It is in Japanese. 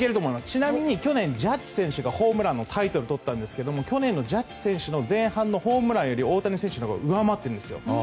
ちなみに去年、ジャッジ選手がホームランのタイトルをとりましたが去年のジャッジ選手の前半のホームランより大谷選手のほうが上回っているんですよ。